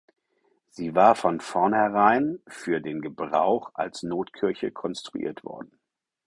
Sie war von vornherein für den Gebrauch als Notkirche konstruiert worden.